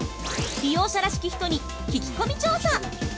利用者らしき人に聞き込み調査。